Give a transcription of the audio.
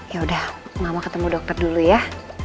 yaudah mama ketemu dokter dulu ya